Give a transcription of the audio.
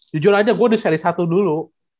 jujur aja gue di seri satu dulu